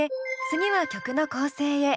次は曲の構成へ。